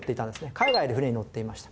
海外で船に乗っていました。